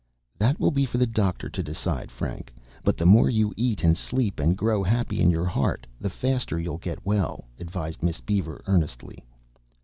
"That will be for the doctor to decide, Frank. But the more you eat and sleep and grow happy in your heart, the faster you'll get well," advised Miss Beaver earnestly.